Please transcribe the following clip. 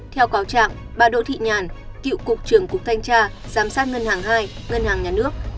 theo cáo trạng bà đỗ thị nhàn cựu cục trưởng cục thanh tra giám sát ngân hàng hai ngân hàng nhà nước